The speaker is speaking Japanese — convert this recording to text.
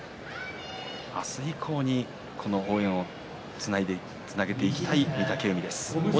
明日以降にこの応援をつなげていきたい御嶽海です。